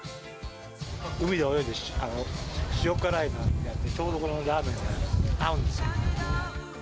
海で泳いで、塩辛いと、ちょうどこのラーメンが合うんですよ。